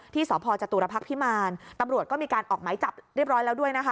ที่สพจตุรพักษ์พิมารตำรวจก็มีการออกไหมจับเรียบร้อยแล้วด้วยนะคะ